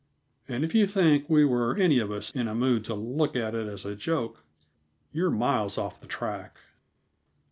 And if you think we were any of us in a mood to look at it as a joke, you're miles off the track.